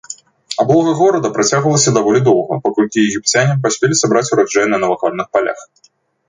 Аблога горада працягвалася даволі доўга, паколькі егіпцяне паспелі сабраць ураджай на навакольных палях.